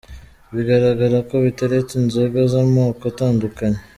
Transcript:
Bigaragara ko biteretse inzoga z’amako atandukanye.